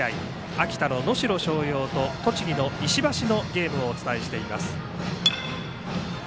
秋田の能代松陽と栃木の石橋のゲームをお伝えしています。